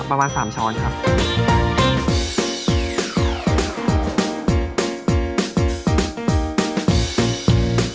ประมาณ๓ช้อนครับ